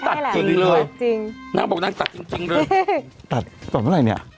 ตัดจริงนางบอกนางตัดจริงจริงเลยตัดตัดเมื่อไหร่เนี้ย